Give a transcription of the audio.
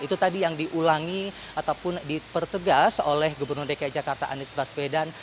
itu tadi yang diulangi ataupun dipertegas oleh gubernur dki jakarta anies baswedan